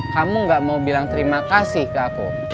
kamu gak mau bilang terima kasih ke aku